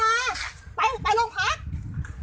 เฮียนะไปลงพัก